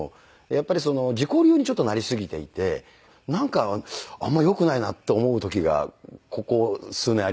やっぱり自己流になりすぎていてなんかあんまりよくないなって思う時がここ数年ありまして。